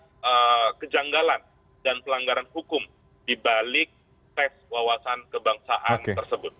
jadi itu adalah kejanggalan dan pelanggaran hukum di balik tes wawasan kebangsaan tersebut